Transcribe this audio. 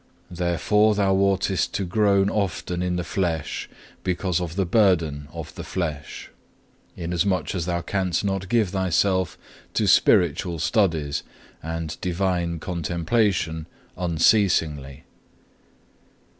Therefore thou oughtest to groan often in the flesh because of the burden of the flesh, inasmuch as thou canst not give thyself to spiritual studies and divine contemplation unceasingly.